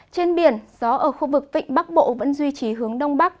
trên biển gió ở khu vực vịnh bắc bộ vẫn duy trì hướng đông bắc